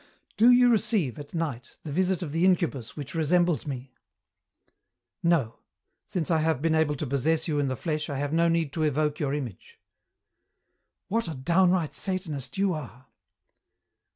"Do you receive, at night, the visit of the incubus which resembles me?" "No. Since I have been able to possess you in the flesh I have no need to evoke your image." "What a downright Satanist you are!"